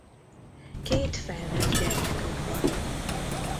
Két felnőtt gyermekük van.